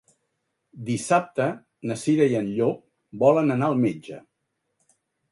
Dissabte na Cira i en Llop volen anar al metge.